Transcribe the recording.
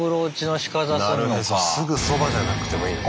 すぐそばじゃなくてもいいの。